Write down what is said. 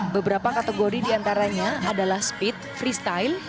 beberapa kategori diantaranya adalah speed freestyle